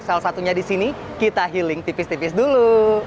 salah satunya di sini kita healing tipis tipis dulu